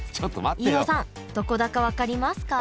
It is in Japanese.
飯尾さんどこだか分かりますか？